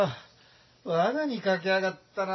わなにかけやがったな。